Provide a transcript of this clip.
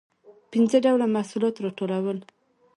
پنځه ډوله محصولات راټولول.